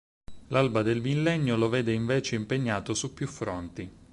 L’alba del millennio lo vede invece impegnato su più fronti.